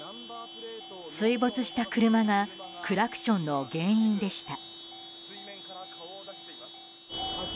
水没した車がクラクションの原因でした。